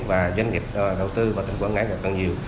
và doanh nghiệp đầu tư vào tỉnh quảng ngãi ngày càng nhiều